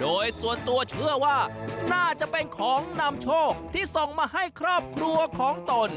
โดยส่วนตัวเชื่อว่าน่าจะเป็นของนำโชคที่ส่งมาให้ครอบครัวของตน